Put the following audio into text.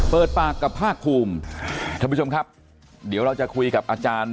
เปิดปากกับภาคภูมิท่านผู้ชมครับเดี๋ยวเราจะคุยกับอาจารย์